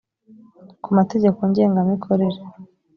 ku mategeko ngenga mikorere